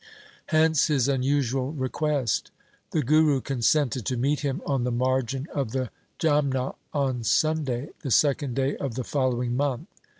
Hence his unusual request. The Guru consented to meet him on the margin of the Jamna on Sunday, the second day of the follow ing month.